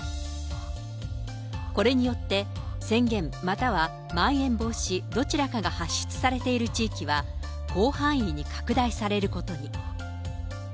これによって、宣言またはまん延防止、どちらかが発出されている地域は、広範囲に拡大されることに。